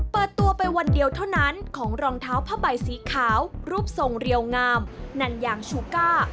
เปิดตัวไปวันเดียวเท่านั้นของรองเท้าผ้าใบสีขาวรูปทรงเรียวงามนั่นยางชูก้า